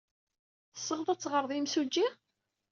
Teɣsed ad teɣred i yimsujji?